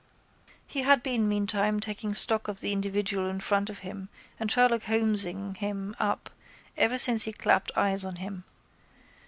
He had been meantime taking stock of the individual in front of him and Sherlockholmesing him up ever since he clapped eyes on him.